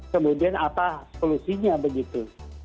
kemudian apa solusinya begitu